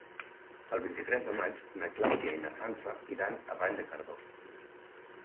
El vint-i-tres de maig na Clàudia i na Sança iran a Vall de Cardós.